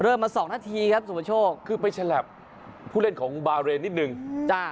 เริ่มมาสองนาทีครับสุประโชคคือไม่ใช่แหลบผู้เล่นของบาเรนนิดหนึ่งอืม